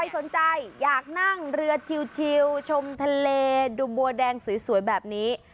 สนใจอยากนั่งเรือชิวชมทะเลดูบัวแดงสวยแบบนี้